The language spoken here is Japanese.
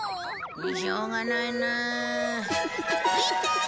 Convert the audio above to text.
しょうがないな。